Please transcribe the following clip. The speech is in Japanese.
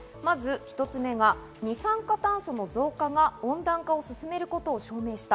１つ目が二酸化炭素の増加が温暖化を進めることを証明した。